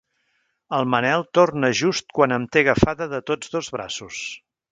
El Manel torna just quan em té agafada de tots dos braços.